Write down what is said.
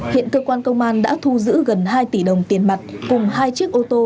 hiện cơ quan công an đã thu giữ gần hai tỷ đồng tiền mặt cùng hai chiếc ô tô là tài liệu